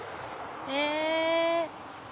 へぇ。